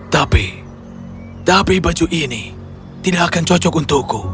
tapi tapi baju ini tidak akan cocok untukku